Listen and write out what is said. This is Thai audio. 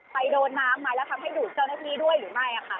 ไปโดนน้ำมาแล้วทำให้ดูดเจ้าหน้าที่ด้วยหรือไม่ค่ะ